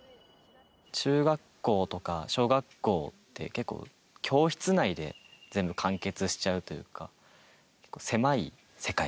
中学校とか小学校って、結構、教室内で全部完結しちゃうというか、狭い世界。